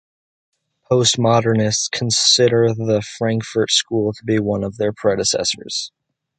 Postmodernists consider the Frankfurt school to be one of their precursors.